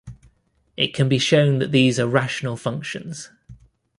It can be shown that these are rational functions.